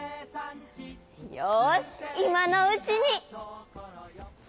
よしいまのうちに。